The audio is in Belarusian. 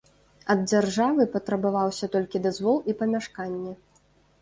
Ад дзяржавы патрабаваўся толькі дазвол і памяшканне.